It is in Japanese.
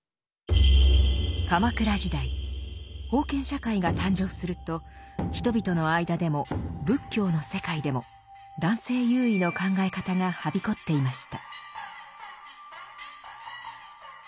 鎌倉時代封建社会が誕生すると人々の間でも仏教の世界でも男性優位の考え方がはびこっていました。